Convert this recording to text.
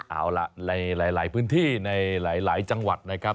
เอาล่ะในหลายพื้นที่ในหลายจังหวัดนะครับ